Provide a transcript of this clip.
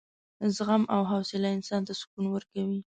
زغم او حوصله انسان ته سکون ورکوي.